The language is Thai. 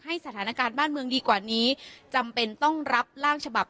สถานการณ์บ้านเมืองดีกว่านี้จำเป็นต้องรับร่างฉบับ